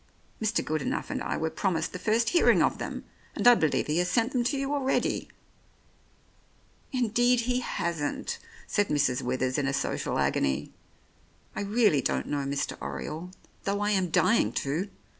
Mr. Good enough and I were promised the first hearing of them, and I believe he has sent them to you already." "Indeed he hasn't," said Mrs. Withers in a social agony. "I really don't know Mr. Oriole, though I am dying to.